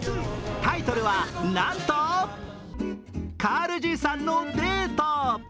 タイトルはなんと「カールじいさんのデート」。